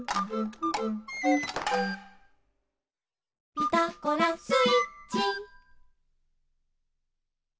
「ピタゴラスイッチ」